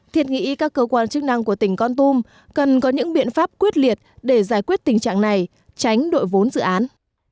thiệt nghĩ các cơ quan chức năng của tỉnh con tum cần có những biện pháp quyết liệt để giải quyết tình trạng này tránh đội vốn dự án